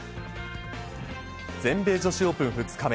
全米女子オープン２日目。